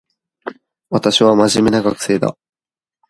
私は真面目な学生だ